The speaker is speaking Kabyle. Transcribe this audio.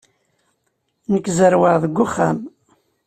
Nekk zerrweɣ deg uxxam.